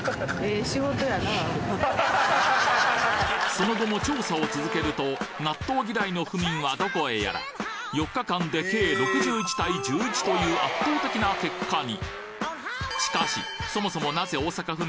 その後も調査を続けると納豆嫌いの府民はどこへやら４日間でという圧倒的な結果に！